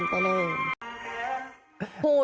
อุงหยิ้นสูงสะวนไปเลย